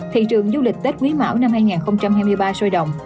thị trường du lịch tết quý mão năm hai nghìn hai mươi ba sôi động